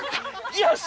よし！